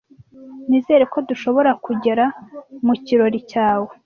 Nizere ko dushobora kugera mu kirori cyawe.